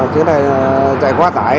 chuyện này chạy quá tải